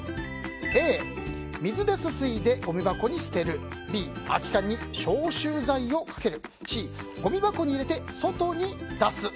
Ａ、水ですすいでごみ箱に捨てるＢ、空き缶に消臭剤をかけるＣ、ごみ箱に入れて外に出す。